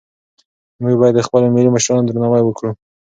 موږ باید د خپلو ملي مشرانو درناوی وکړو.